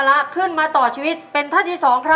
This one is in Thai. คุณยายแจ้วเลือกตอบจังหวัดนครราชสีมานะครับ